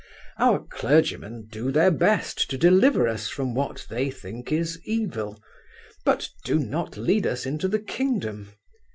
Our clergymen do their best to deliver us from what they think is evil, but do not lead us into the Kingdom.